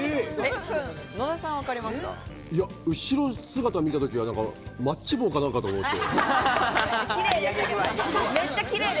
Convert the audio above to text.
後ろ姿見たときは、マッチ棒かなと思って。